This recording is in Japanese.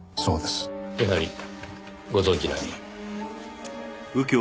やはりご存じない。